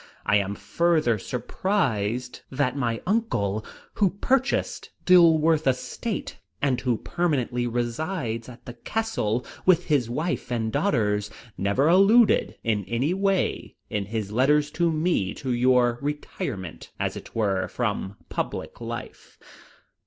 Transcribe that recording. I am further surprised that my uncle, who purchased Dilworth Estate, and who permanently resides at the castle with his wife and daughters, never alluded in any way in his letters to me to your retirement as it were from public life.